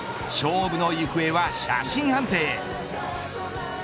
勝負の行方は写真判定へ。